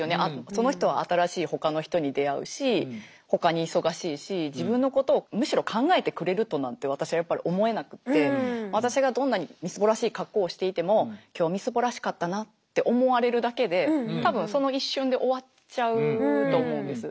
その人は新しいほかの人に出会うしほかに忙しいし自分のことをむしろ考えてくれるとなんて私やっぱり思えなくって私がどんなにみすぼらしい格好をしていても今日みすぼらしかったなって思われるだけで多分その一瞬で終わっちゃうと思うんです。